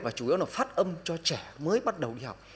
và chủ yếu là phát âm cho trẻ mới bắt đầu đi học